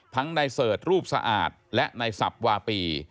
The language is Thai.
ทั้งในเสิร์ชรูปสะอาดและในศัพท์วาปี